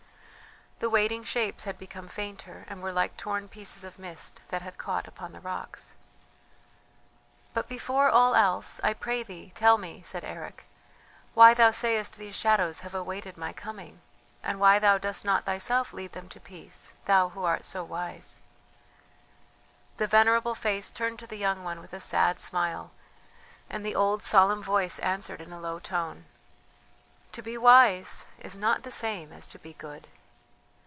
The waiting shapes had become fainter, and were like torn pieces of mist that had caught upon the rocks. "But before all else, I pray thee, tell me," said Eric, "why thou sayest these shadows have awaited my coming; and why thou dost not thyself lead them to peace? Thou who art so wise?" The venerable face turned to the young one with a sad smile, and the old solemn voice answered in a low tone, "To be wise is not the same as to be good.